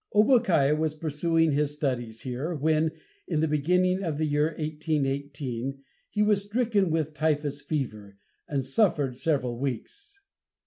Obookiah was pursuing his studies here, when, in the beginning of the year 1818, he was stricken with typhus fever, and suffered several weeks.